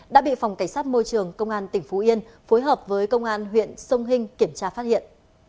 đã bị phòng cảnh sát môi trường công an tỉnh phú yên phối hợp với công an huyện sông hinh kiểm tra phát hiện